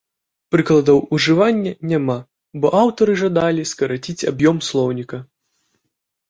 Прыкладаў ўжывання няма, бо аўтары жадалі скараціць аб'ём слоўніка.